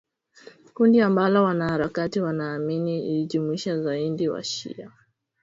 kundi ambalo wanaharakati wanaamini lilijumuisha zaidi washia